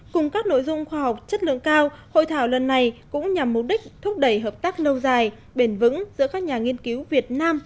cùng các nội dung khoa học chất lượng cao hội thảo lần này cũng nhằm mục đích thúc đẩy hợp tác lâu dài bền vững giữa các nhà nghiên cứu việt nam